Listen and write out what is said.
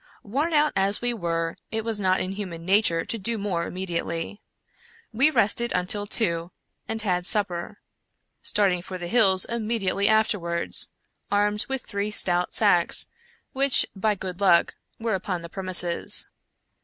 Worn out as we were, it was not in human nature to do more immediately. We rested until two, and had supper ; starting for the hills im 145 American Mystery Stories mediately afterwards, armed with tliree stout £acks, which, by good luck, were upon the premises.